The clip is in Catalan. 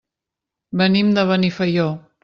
Venim de Benifaió.